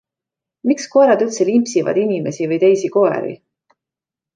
Miks koerad üldse limpsivad inimesi või teisi koeri?